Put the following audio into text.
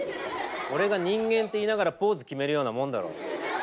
俺が「人間」って言いながらポーズ決めるようなもんだろう。